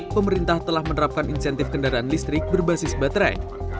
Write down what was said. pemerintah telah menerapkan insentif kendaraan listrik berbasis baterai